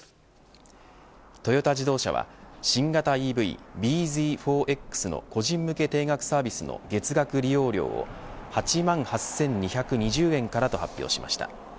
トヨタ自動車は新型ＥＶ、ｂＺ４Ｘの個人向け定額サービスの月額利用料を８万８２２０円からと発表しました。